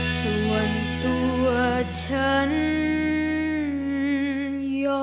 ส่วนตัวฉันยอม